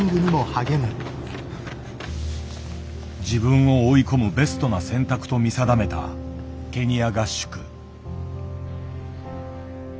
自分を追い込むベストな選択と見定めたケニア合宿。